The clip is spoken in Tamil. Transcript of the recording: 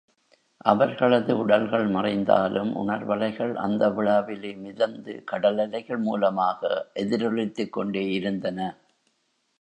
அவர்களது உடல்கள் மறைந்தாலும் உணர்வலைகள் அந்த விழாவிலே மிதந்து கடலலைகள் மூலமாக எதிரொலித்துக் கொண்டே இருந்தன.